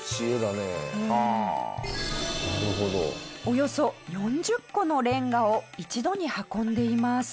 およそ４０個のレンガを一度に運んでいます。